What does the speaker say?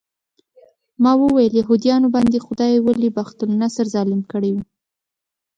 ما وویل یهودانو باندې خدای ولې بخت النصر ظالم کړی و.